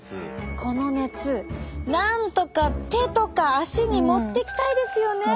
この熱なんとか手とか足に持ってきたいですよね。